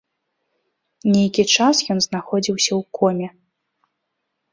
Нейкі час ён знаходзіўся ў коме.